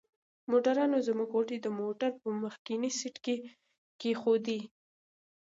موټروان زموږ غوټې د موټر په مخکني سیټ کې کښېښودې.